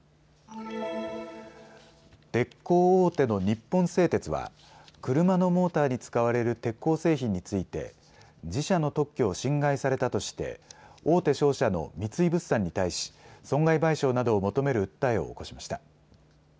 鉄鋼大手の日本製鉄は車のモーターに使われる鉄鋼製品について自社の特許を侵害されたとして大手商社の三井物産に対し損害賠償などを求める訴えを起こしました。